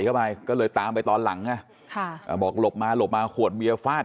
เข้าไปก็เลยตามไปตอนหลังไงค่ะอ่าบอกหลบมาหลบมาขวดเบียฟาด